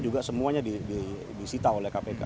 juga semuanya disita oleh kpk